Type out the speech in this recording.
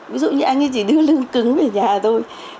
ví dụ như anh ấy chỉ đưa lưng cứng về nhà hà thôi